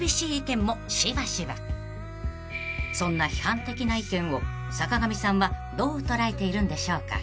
［そんな批判的な意見を坂上さんはどう捉えているんでしょうか］